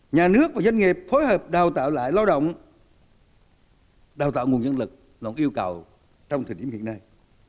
nhà nước và doanh nghiệp phối hợp đào tạo lại lao động đào tạo nguồn nhân lực là một yêu cầu trong thời điểm hiện nay